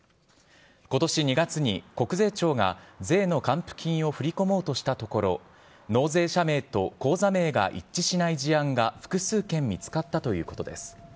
ことし２月に、国税庁が税の還付金を振り込もうとしたところ、納税者名と口座名が一致しない事案が複数件見つかったということです。